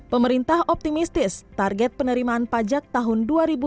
pemerintah optimistis target penerimaan pajak tahun dua ribu dua puluh